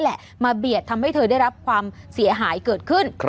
แหละมาเบียดทำให้เธอได้รับความเสียหายเกิดขึ้น